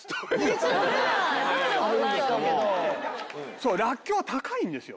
そうらっきょうは高いんですよ。